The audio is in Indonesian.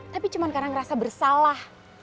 tapi cuma karena ngerasa bersalah